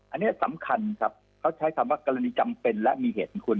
อันนี้สำคัญครับเขาใช้คำว่ากรณีจำเป็นและมีเหตุคุณ